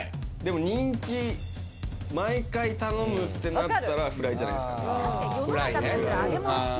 でも人気、毎回頼むってなったらフライじゃないでフライね。